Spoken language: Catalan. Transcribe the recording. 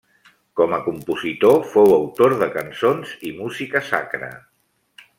Com a compositor, fou autor de cançons i música sacra.